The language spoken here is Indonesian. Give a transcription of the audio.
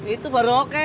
itu baru oke